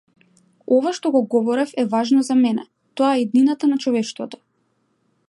Ова што го говорев е важно за мене - тоа е иднината на човештвото.